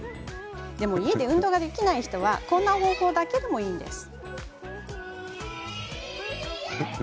でも、家で運動ができない人はこんな方法だけでもいいんです。